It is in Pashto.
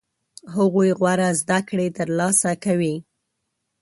هغوی غوره زده کړې ترلاسه کوي.